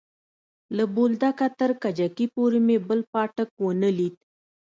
له بولدکه تر کجکي پورې مې بل پاټک ونه ليد.